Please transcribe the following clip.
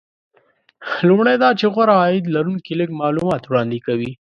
لومړی دا چې غوره عاید لرونکي لږ معلومات وړاندې کوي